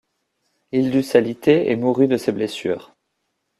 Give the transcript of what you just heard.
Il dut s’aliter et mourut de ses blessures.